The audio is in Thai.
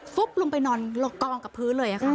ฟุ๊บลงไปนอนหลอกกองกับพื้นเลยค่ะ